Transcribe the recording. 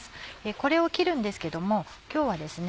これを切るんですけども今日はですね